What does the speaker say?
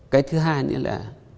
cái thứ hai nữa là